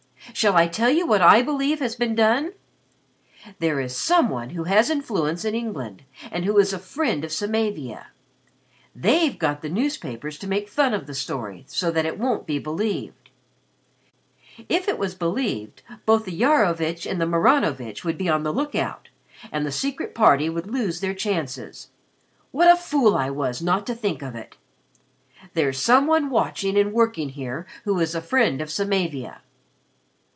Shall I tell you what I believe has been done? There is some one who has influence in England and who is a friend to Samavia. They've got the newspapers to make fun of the story so that it won't be believed. If it was believed, both the Iarovitch and the Maranovitch would be on the lookout, and the Secret Party would lose their chances. What a fool I was not to think of it! There's some one watching and working here who is a friend to Samavia."